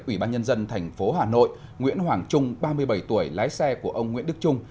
ủy ban nhân dân tp hà nội nguyễn hoàng trung ba mươi bảy tuổi lái xe của ông nguyễn đức trung